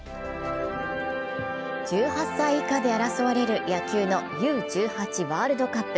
１８歳以下で争われる野球のＵ−１８ワールドカップ。